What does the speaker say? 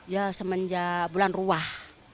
ya semenjak bulan ruah